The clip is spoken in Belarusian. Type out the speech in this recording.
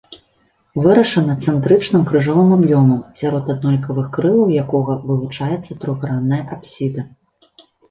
Вырашана цэнтрычным крыжовым аб'ёмам, сярод аднолькавых крылаў якога вылучаецца трохгранная апсіда.